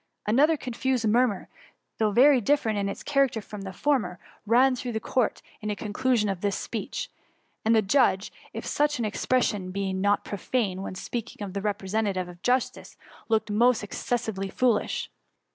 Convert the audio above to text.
Another confused murmur, though Tery dif ferent in its character from the former, ran through the court on the conclusi<m of this speech ; and the judge, if such an expression be not profane when spealdng o£ a refM'esentative of justice, looked most excesdvely foolish.